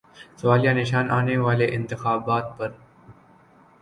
سوالیہ نشان آنے والے انتخابات پر۔